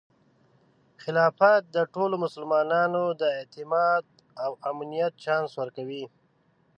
خلافت د ټولو مسلمانانو د اعتماد او امنیت چانس ورکوي.